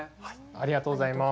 ありがとうございます。